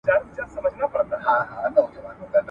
د پېریانانو ښار ,